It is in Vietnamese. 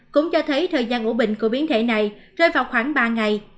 cũng cho thấy thời gian ủ bệnh của biến thể này rơi vào khoảng ba ngày